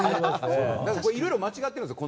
いろいろ間違ってるんですよ。